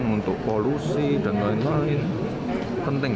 untuk polusi dan lain lain penting